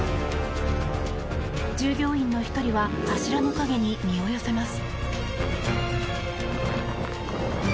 従業員の１人は柱の陰に身を寄せます。